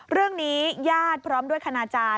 เรื่องนี้ญาติพร้อมด้วยคณาจารย์